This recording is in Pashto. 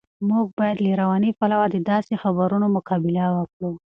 موږ باید له رواني پلوه د داسې خبرونو مقابله وکړو.